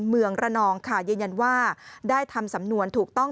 เมืองระนองค่ะยืนยันว่าได้ทำสำนวนถูกต้อง